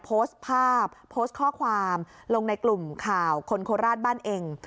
โพสต์ภาพโพสต์ข้อความลงในกลุ่มข่าวคนโคราชบ้านเอง